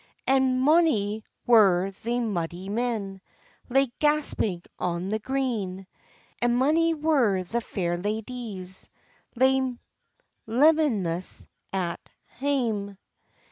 ] And mony were the mudie men Lay gasping on the green; And mony were the fair ladyes Lay lemanless at hame.